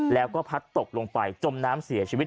แล้วก็พัดตกลงไปจมน้ำเสียชีวิต